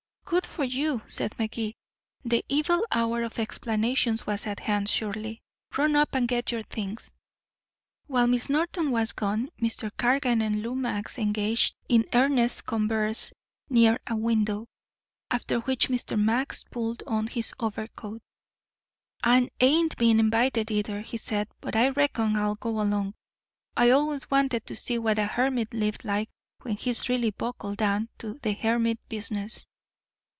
"Good for you!" said Magee. The evil hour of explanations was at hand, surely. "Run up and get your things." While Miss Norton was gone, Mr. Cargan and Lou Max engaged in earnest converse near a window. After which Mr. Max pulled on his overcoat. "I ain't been invited either," he said, "but I reckon I'll go along. I always wanted to see what a hermit lived like when he's really buckled down to the hermit business.